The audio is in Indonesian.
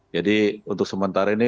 jadi untuk sementara ini